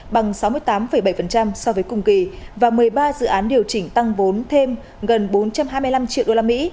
bằng sáu mươi tám bảy so với cùng kỳ và một mươi ba dự án điều chỉnh tăng vốn thêm gần bốn trăm hai mươi năm triệu usd